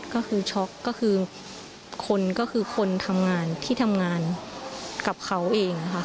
ก็คือช็อกก็คือคนก็คือคนทำงานที่ทำงานกับเขาเอง